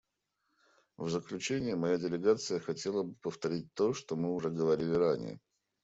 В заключение моя делегация хотела бы повторить то, что мы уже говорили ранее.